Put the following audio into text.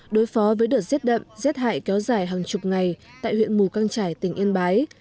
đối phó với đợt rét đậm rét hại kéo dài hàng chục ngày tại huyện mù căng trải tỉnh yên bái